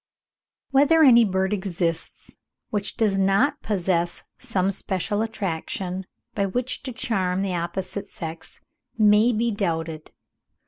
Whether any bird exists which does not possess some special attraction, by which to charm the opposite sex, may be doubted.